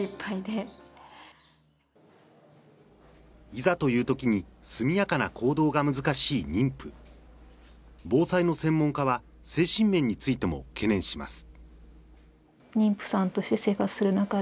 いざという時に速やかな行動が難しい妊婦防災の専門家は精神面についても懸念します